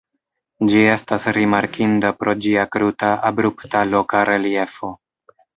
Ĝi estas rimarkinda pro ĝia kruta, abrupta loka reliefo.